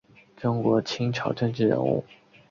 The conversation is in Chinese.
中国清朝政治人物。